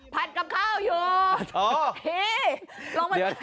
ผัดกำเข้าอยู่